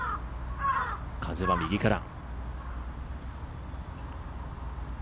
風は右から。